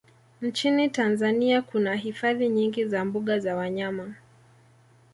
Nchini Tanzania kuna hifadhi nyingi za mbuga za wanyama